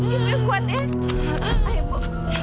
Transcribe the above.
ibu yang kuat ya